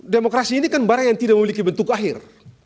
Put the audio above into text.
demokrasi ini kan barang yang tidak memiliki bentuk akhir